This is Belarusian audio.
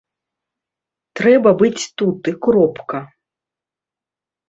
Трэба быць тут і кропка.